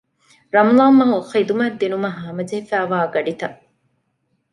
ރަމަޟާންމަހު ޚިދުމަތް ދިނުމަށް ހަމަޖެހިފައިވާ ގަޑިތައް